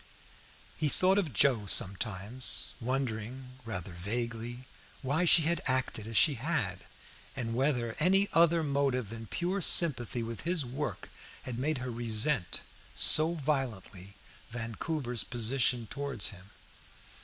He thought of Joe sometimes, wondering rather vaguely why she had acted as she had, and whether any other motive than pure sympathy with his work had made her resent so violently Vancouver's position towards him.